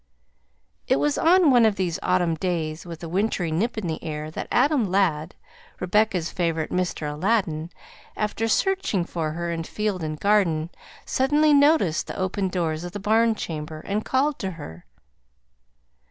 It was on one of these autumn days with a wintry nip in the air that Adam Ladd (Rebecca's favorite "Mr. Aladdin"), after searching for her in field and garden, suddenly noticed the open doors of the barn chamber, and called to her.